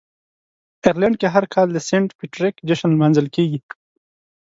آیرلنډ کې هر کال د "سینټ پیټریک" جشن لمانځل کیږي.